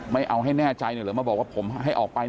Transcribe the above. ไม่เอาให้แน่ใจเลยเหรอมาบอกว่าผมให้ออกไป